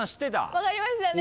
分かりましたね。